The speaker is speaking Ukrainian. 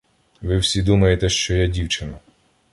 — Ви всі думаєте, що я дівчина.